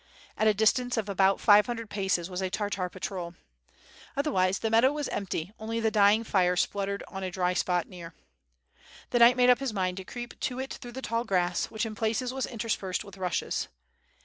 At a distance of about five hundred paces was a Tartar patrol. Otherwise the meadow was empty, only the dying fire spluttered on a dry spot near. The knight made up his mind to creep to it through the tall grass, which in places was interspersed with rushes.